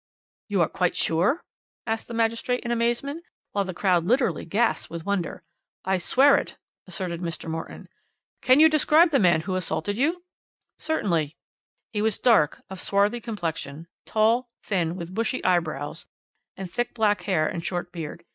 "'You are quite sure?' asked the magistrate in amazement, while the crowd literally gasped with wonder. "'I swear it,' asserted Mr. Morton. "'Can you describe the man who assaulted you?' "'Certainly. He was dark, of swarthy complexion, tall, thin, with bushy eyebrows and thick black hair and short beard.